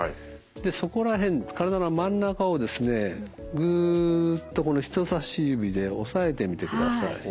でそこら辺体の真ん中をですねぐっと人差し指で押さえてみてください。